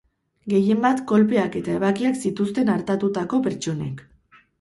Gehienbat kolpeak eta ebakiak zituzten artatutako pertsonek.